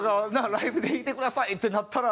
ライブで弾いてくださいってなったら。